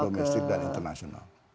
untuk kebutuhan domestik dan internasional